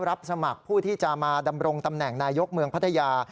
รับสมัครผู้ที่จะมาดำรงตำแหน่งนายกเมืองพัทยา